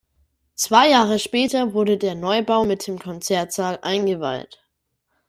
Zwei Jahre später wurde der Neubau mit dem Konzertsaal eingeweiht.